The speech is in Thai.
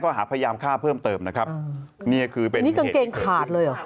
ก็หาพยายามฆ่าเพิ่มเติมนะครับนี่กางเกงขาดเลยอ่ะ